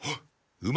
うま！